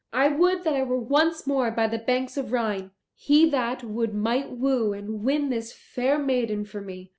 I would that I were once more by the banks of Rhine; he that would might woo and win this fair maiden for me."